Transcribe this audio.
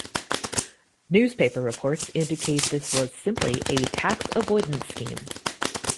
Newspaper reports indicate that this was simply a tax-avoidance scheme.